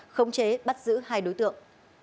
khống chế bắt giữ hai đối tượng